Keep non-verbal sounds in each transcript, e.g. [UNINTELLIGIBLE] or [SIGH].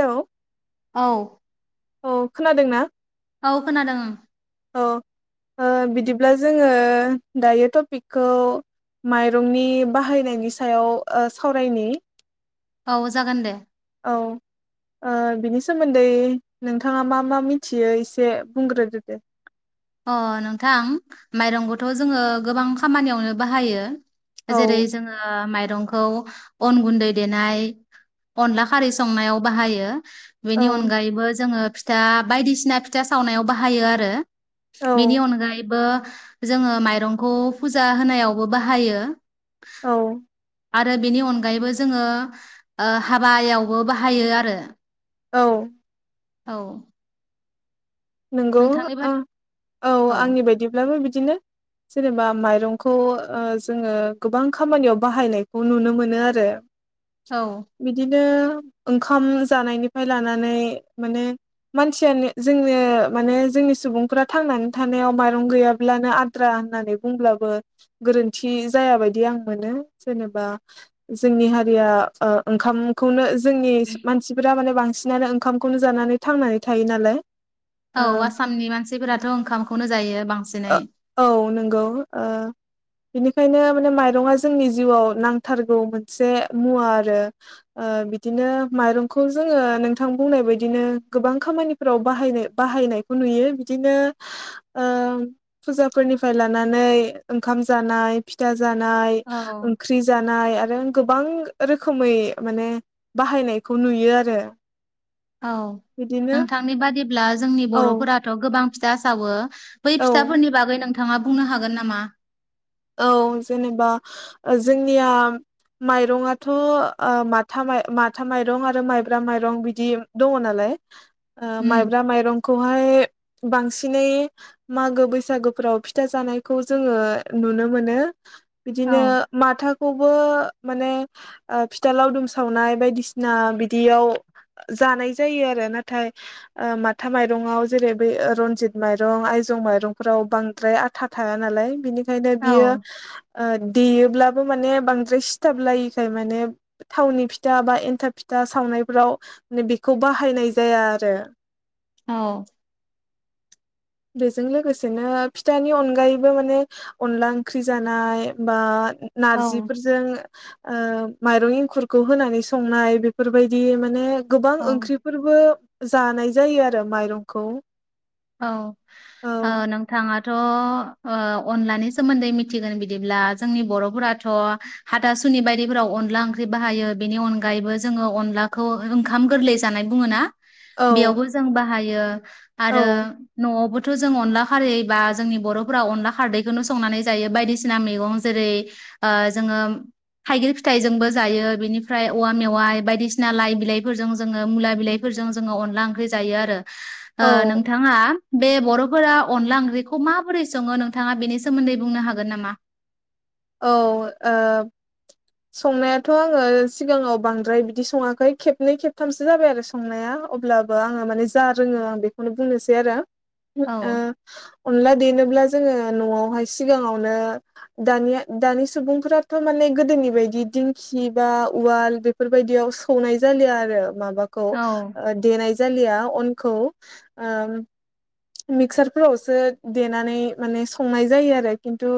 Hello औ औ खोनादों ना? औ खोनादों ओं। औ ओ बिदिब्ला जोङो दायो टपिकखौ माइरंनि बाहायनायनि सायाव ओ सावरायनि औ जागोन दे औ ओ बिनि सोमोन्दै नोंथाङा मा-मा मिथियो एसे बुंग्रोदो दे अह नोंथां माइरंखौथ' जोङो गोबां खामानियावनो बाहायो औ जेरै जोङो ओ माइरंखौ अन गुन्दै देनाय अनला खारै संनायाव बाहायो औ बेनि अनगायैबो जोङो फिथा बायदिसिना फिथा सावनायाव बाहायो आरो औ बेनि अनगायैबो जोङो माइरंखौ फुजा होनायावबो बाहायो औ आरो बेनि अनगायैबो जोङो ओ हाबायावबो बाहायो आरो औ औ नंगौ नोंथांनि बाद ओ औ आंनि बायदिब्लाबो बिदिनो जेनेबा माइरंखौ ओ जोङो गोबां खामानियाव बाहायनायखौ नुनो मोनो आरो औ बिदिनो ओंखाम जानायनिफ्राय लानानै माने मानसियानो जों माने जों सुबुंफोरा थांनानै थानायाव माइरं गैयाब्लानो आद्रा होननानै बुंब्लाबो गोरोन्थि जायाबायदि आं मोनो जेनेबा जोंनि हारिया ओ ओंखामखौनो जोंनि मानसिफोरा माने बांसिनानो ओंखामखौनो जानानै थांनानै थायो नालाय औ ओ आसामनि मानसिफोराथ' ओंखामखौनो जायो बांसिनै औ नंगौ ओ बिनिखायनो माने माइरंआ जोंनि जिउआव नांथारगौ मोनसे मुवा आरो ओ बिदिनो माइरंखौ जोङो नोंथां बुंनाय बायदिनो गोबां खामानिफ्राव बाहायनो बाहायनायखौ नुयो बिदिनो ओ फुजाफोरनिफ्राय लानानै ओंखाम जानाय फिथा जानाय औ ओंख्रि ख्रि जानाय आरो गोबां रोखोमै माने बाहायनायखौ नुयो आरो औ बिदिनो नोंथांनि बादिब्ला जोंनि औ बर'फोराथ' गोबां फिथा सावो बै औ फिथाफोरनि बागै नोंथाङा बुंनो हागोन नामा? औ जेनेबा जोंनिया माइरङाथ' ओ माथा माइ माथा माइरं आरो माइब्रा माइरं बिदि दङ नालाय ओ उम माइब्रा माइरं खौहाय बांसिनै मागो बैसागोफ्राव फिथा जानायखौ जोङो नुनो मोनो औ बिदिनो माथा खौबो माने ओ फिथा लावदुम सावनाय बायदिसिना बिदियाव जानाय जायो आरो नाथाय ओ माथा माइरंआव जेरै बै रनजित माइरं आयजं माइरंफोराव बांद्राय आ था थाया नालाय बिनिखायनो औ बियो ओ देयोब्लाबो माने बांद्राय सिथाब लायिखाय माने थावनि फिथा बा एन्थाब फिथा सावनायफोराव ने बेखौ बाहायनाय जाया आरो औ बेजों लोगोसेनो फिथानि अनगायैबो माने अनला ओंख्रि जानाय बा औ नारजिफोरजों ओ माइरं एंखुरखौ होनानै संनाय बेफोरबायदि माने गोबां ओंख्रि फोरबो जानाय जायो आरो माइरंखौ औ औ ओ नों नथाङाथ ओ अनलानि सोमोन्दै मिथिगोन बिदिब्ला जोंनि बरफोराथ हाथासुनि बायदिफोराव अनला ओंख्रि बाहायो बेनि अनगायैबो जोङो अनलाखौ ओंखाम गोरलै जानाय बुङो ना औ बेयावबो जों बाहायो औ आरो न'आवबोथ' जों अनला खारैबा जोंनि बर'फोरा अनला खारदैखोनो संनानै जायो बायदिसिना मैगं ज जेरै ओ जोङोम थाइगिर फिथाइजोंबो जायो बिनिफ्राय औवा मेवाइ बायदिसिना लाइ बिलाइफोरजों जोङो मुला बिलाइ फोरजों जोङो अनला ओंख्रि जायो आरो औ ओ नोंथ थाङा बे बर'फोरा अनला ओंख्रिखौ माबोरै सङो नोंथाङा बेनि सोमोन्दै बुंनो हागोन नामा? औ ओ संनायाथ' आङो सिगाङाव बांद्राय बिदि सङाखै खेबनै खेबथामसो जाबाय आरो स संनाया अब्लाबो आङो माने जा रोङो आं बेखौनो बुंनोसै आरो ओ औ अनला देनोब्ला जोङो न'आवहाय सिगाङावनो दानिया दानि सुबुंफोराथ' माने गोदोनि बायदि दिंखि बा उवाल बेफोरबायदियाव स खौनाय जालिया आरो माबाखौ औ ओ देनाय जालिया अनखौ ओम मिक्सारफोरावसो देनानै माने संनाय जायो आरो खिन्थु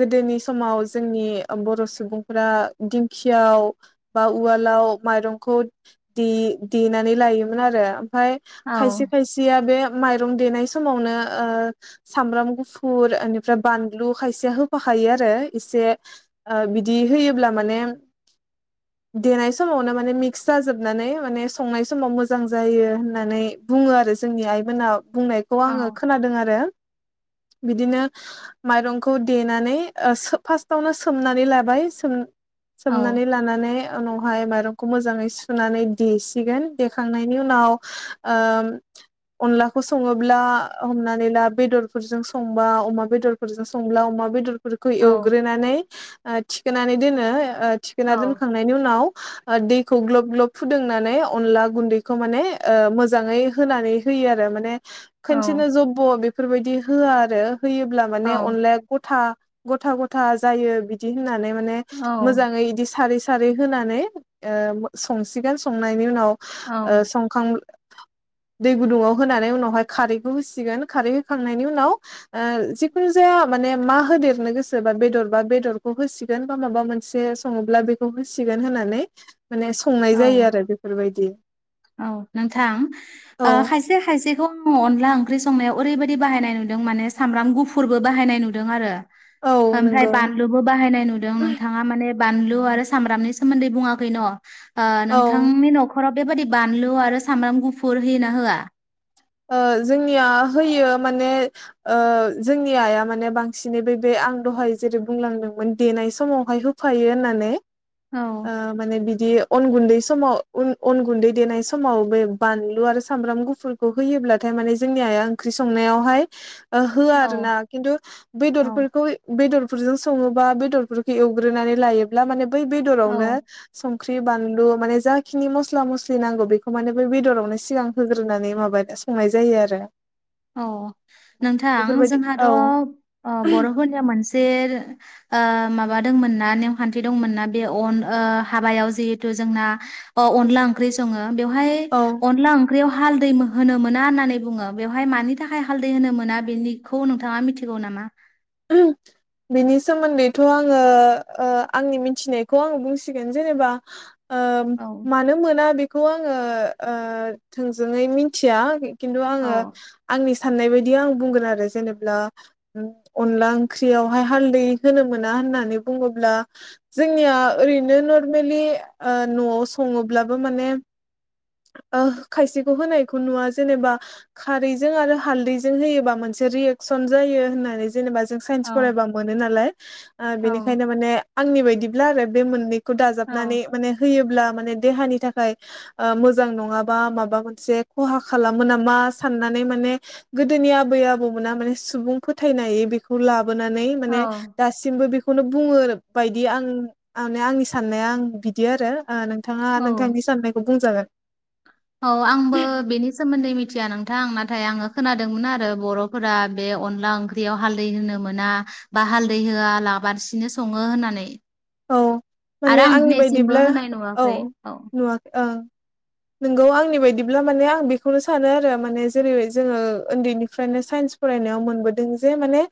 गोदोनिस समाव जोंनि ओ बर' सुबुंफोरा दिंखियाव बा उवालाव माइरंखौ दे देनानै लायोमोन आरो ओमफाय औ खायसे खायसेया बे माइरं देनाय समावनो ओ सामब्राम गुफुर ओनिफ्राय बानलु खायसेया होफाखायो आर रो इसे ओ बिदि होयोब्ला माने देनाय समावनो माने मिक्स जाजोबनानै माने संनाय समाव मोजां जायो होननानै बुङो आरो जोंनि आइमोना बुंनाय खौ औ आङो खोनादों आरो बिदिनो माइरंखौ देनानै ओ सो फासतावनो सोमनानै लाबाय सोम औ सोमनानै लानानै उनावहाय माइरंखौ मोजाङै सुनानै देसिगोन देखांनायनि उनाव ओम अनलाखौ सङोब्ला हमनानै ला बेदरफोरजों संबा अमा बेदर फोरजों संब्ला अमा बेदर खो एवग्रोनानै ओ थिखोनानै दोनो ओ औ थिखोना दोनखांनायनि उनाव ओ दैखौ ग्ल'ब ग्ल'ब फुदुंनानै अनला गुन्दैखौ माने ओ मोजाङै होनानै होयो आरो माने खोनसेनो औ जब्ब' बेफोरबायदि होआ आरो होयोब्ला औ माने अनलाया गथा गथा गथा जायो बिदि होननानै माने मोजाङै इदि सारैस सारै होनानै ओ मो संसिगोन संनायनि उनाव ओ औ संखां दै गुदुङाव होनानै उनावहाय खारैखौ होसिगोन खारै होखांनायनि उनाव ओ जिखुनु जाया माने मा होदेर संनो गोसोबा बेदर बा बेदरखौ होसिगोन बा माबा मोनसे सङोब्ला बेखौ होसिगोन होनानै माने संनाय जायो औ आरो बेफोरबायदि औ नोंथां ओ औ खायस से खायसेखौ आं अनला ओंख्रि संनायाव ओरैबायदि बाहायनाय नुदों माने सामब्राम गुफुरबो बाहायनाय नुदों आरो औ ओमफ्राय नंगौ बानलुबो बाहायनाय नुदों नोंथाङा माने बानलु आरो सामब्रामनि सोमोन्दै बुङाखै न ओ औ नोंथांनि न'खराव बेबादि बानलु आरो सामब्राम गुफुर होयो ना होआ। ओ जोंनिया होयो माने ओ जोंनि आइया माने बांसिनै बै बे आं दहाय जेरै बुंलांदोंमोन देनाय समावहाय होफायो होननानै औ ओ। माने बिदि अन गुन्दै समाव उन अन गुन्दै देनाय समाव बे बानलु आरो सामब्राम गुफुर। खौ होयोब्लाथाय माने जोंनि आइया ओंख्रि संनायावहाय ओ होआ औ आरो ना खिन्थु औ बेदरफोरखौ बेदरफोरजों सङोबा बेदरफोरखौ एवग्रोनानै लायोब्ला माने बै औ बेदरावनो संख्रि बानलु माने जाखिनि मस्ला मस्लि नांगौ बेखौ माने बे बेदरावनो सिगां होग्रोनानै माब बाद संनाय जायो आरो अ नोंथां बेफोरबायदि जोंहाथ' औ बर'फोरनिया मोनसे। ओ माबा दंमोन ना नेमखान्थि दंमोन ना बे अन ओ हाबायाव जिहेतु जोंना। अ अनला ओंख्रि सङो बेवहाय औ अनला ओंख्रियाव हालदै होनो मोना होननानै बुङो बेव बेवहाय मानि थाखाय हालदै होनो मोना बेनिखौ नोंथाङा मिथिगौ नामा? [UNINTELLIGIBLE] बेनि सोमोन्दैथ' आङो ओ आंनि मिथिनायखौ आङो बुंसिगोन जेनेबा। ओ औ मानो मोना बेखौ आङो ओ थोंजोङै मिथिया। खिन्थु औ आङो आंनि साननाय बायदि आं बुंगोन आरो जेनेब्ला। अनला ओंख्रियावहाय हालदै होनो मोना होननानै बुङोब्ला। जोंनिया ओरैनो नरमेलि ओ न'आव सङोब्लाबो माने। ओ खायसेखौ होनायखौ नुवा जेनेबा। खारैजों आरो हालदैजों होयोबा मोनसे रियेक्सन जायो होननानै जेनेबा जों। औ साइन्स फरायबा मोनो नालाय ओ औ बेनिखायनो माने आंनि बायदिब्ला आरो बे मोननै। खौ औ दाजाबनानै माने होयोब्ला माने देहानि थाखाय ओ मोज मोजां नङाबा माबा मोनसे खहा खालामो नामा साननानै माने। गोदोनि आबै आबौमोना माने सुबुं फोथायनाय बेखौ लाबोनानै माने औ दा दासिमबो बेखौनो बुङो बायदि आं माने आंनि साननाया आं बिदि आरो ओ नोंथाङा औ नोंथांनि साननायखौ बुंजागोन। औ आंबो बेनि सोमोन्दै मिथिया नोंथां नाथाय आङो। खोनादोंमोन आरो बर'फोरा बे अनला ओंख्रियाव हालदै होनो मोना। बा हालदै होआ लाबासिनो सङो होननानै। औ माने आरो आं आंनि दिनैसिमबो बायदिब्ला होनाय नुवाखै औ। नुवाखै ओ नोंगौ आंनि बायदिब्ला माने आं बेखौनो सानो आरो माने जेरै जोङो उन्दैनिफ्रायनो साइन्स। फरायनायाव मोनबोदों जे माने।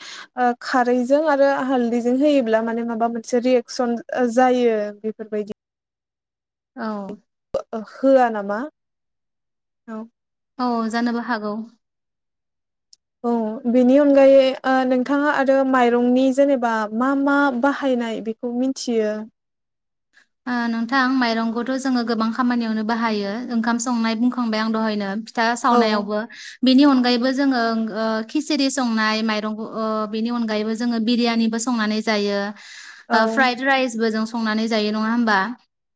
ओ खारैजों आरो हालदैजों होयोब्ला माने माबा मोनसे रियेकसन जायो बेफोरबायदि। औ ओ होआ नामा औ। औ जानोबो हागौ। औ बेनि अनगायै ओ नोंथाङा आरो माइरंनि जेनेबा मा मा बाहायनाय बे। खौ मिथियो। ओ नोंथां माइरंखौथ' जोङो गोबां खामानियावनो बाहायो ओंखाम संनाय बुंखांबाय आं दहायनो। फिथा औ सावनायावबो। बेनि अनगायैबो जोङो ओं ओ खिसारि संनाय माइरंखौ अ बेनि अनगायैबो जोङो बिरयानिबो संनानै। जायो औ ओ फ्राइद राइसबो जों संनानै जायो नङा होमबा।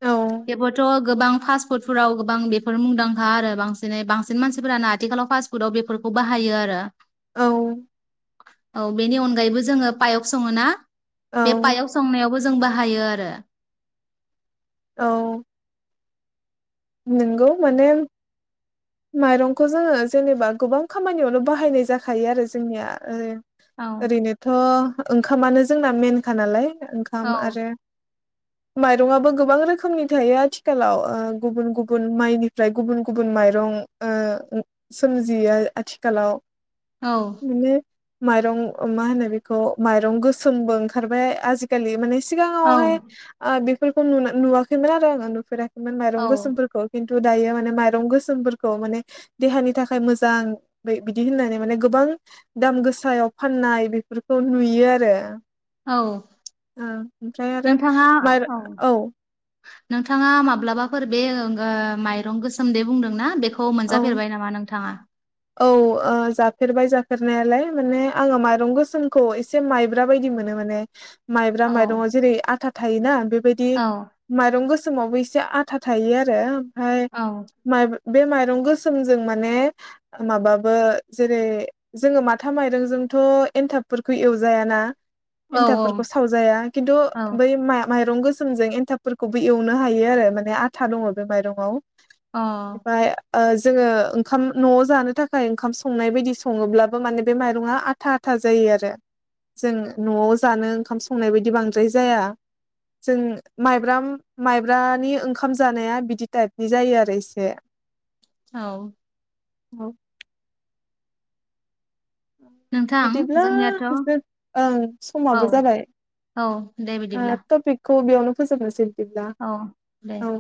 औ बेबोथ' गोबां फास्पुडफोराव गोबां बेफोर मुंदां खा आरो बांसिनै बांसिन मानसिफोरानो आथिखालाव फास्ट फुडाव बेफोरखौ बाहायो आरो। औ। औ बेनि अनगायैबो जोङो पायाव सङो ना औ बे पायाव संनायावबो जों बाहायो आरो। औ। नोंगौ माने। माइरंखौ जोङो जेनेबा गोबां खामानियावनो बाहायनाय जाखायो आरो जोंनिया ओ औ ओरैनोथ' ओंखामानो जोंना मेनखा नालाय औ ओंखाम आरो [INAUDIBLE] माइरङाबो गोबां रोखोमनि थायो आथिखालाव ओ गुबुन गुबुन माइनिफ्राय गुबुन गुबुन माइरं ओ सोमजियो आथिखालाव औ मोनो माइरं मा होनो बेखौ माइरं गोसोमबो ओंखारबाय आजिखालि माने सिगां औ ओ बेफोरखौ नुवाखैमोन आरो आङो नुफेराखैमोन माइरं औ गोसोमफोरखौ। खिनथु दायो माने माइरं गोसोमफोर खौ माने देहानि थाखाय मोजां बै बिदि होननानै माने गोबां दाम गोसायाव फाननाय बेफोरखौ नुयो आरो औ। ओ ओमफ्राय आरो माइर औ। नोंथाङा माब्लाबाफोर बे [UNINTELLIGIBLE] माइरं गोसोम दे बुंदों ना बेखौ खौ औ मोनजाफेरबाय नामा नोंथाङा? औ ओ जाफेरबाय जाफेरनायालाय माने आङो माइरं गोसोमखौ एस से माइब्रा बायदि मोनो माने माइब्रा औ माइरङाव जेरै आथा थायो ना बेबायदि औ माइरं गोसोमावबो एसे आथा थायो आरो ओमफ्राय औ। [UNINTELLIGIBLE] बे माइरं गोसोमजों माने माबाबो जेरै जोङो माथा माइरंजोंथ' एनथाबफोरखौ एवजायाना। औ एन्थाबफोरखौ सावजाया खिन्थु औ बै मा माइरं गोस सोमजों एन्थाबफोरखौबो एवनो हायो आरो माने आथा दङ' बे माइरंआव अ [UNINTELLIGIBLE] ओ जोङो ओंखाम न'आव जानो थाखाय ओंखाम संनाय बायदि सङोब्लाबो माने बे माइरङा आथा आथा जायो आरो जों न'आव जानो ओंखाम संनाय बायदि बांद्राय जाया। जों माइब्रा माइब्रानि ओंखाम जानाया बिदि टाइपनि जायो आरो इसे। औ। औ। नोंथां बिदिब्ला जोंनियाथ' जों ओं औ समाबो जाबाय औ दे बेदिब्ला। खौ बेयावनो फोजोबनोसै बेदिब्ला दे औ।